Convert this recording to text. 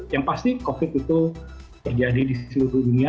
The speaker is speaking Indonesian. yang pasti covid itu terjadi di seluruh dunia